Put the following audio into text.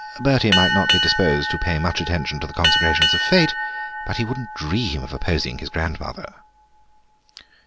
Bertie might not be disposed to pay much attention to the consecrations of Fate, but he would not dream of opposing his grandmother."